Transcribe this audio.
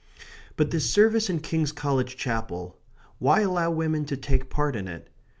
But this service in King's College Chapel why allow women to take part in it?